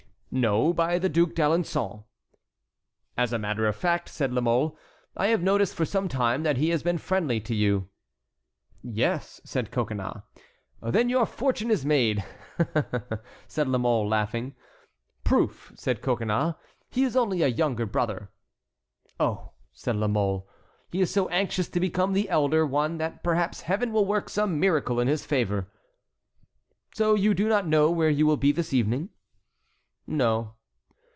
"No, by the Duc d'Alençon." "As a matter of fact," said La Mole, "I have noticed for some time that he has been friendly to you." "Yes," said Coconnas. "Then your fortune is made," said La Mole, laughing. "Poof!" said Coconnas. "He is only a younger brother!" "Oh!" said La Mole, "he is so anxious to become the elder one that perhaps Heaven will work some miracle in his favor." "So you do not know where you will be this evening?" "No."